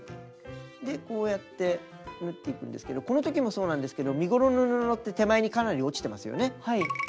こうやって縫っていくんですけどこのときもそうなんですけど身ごろの布って手前にかなり落ちてますよね。